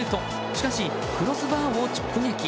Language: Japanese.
しかし、クロスバーを直撃。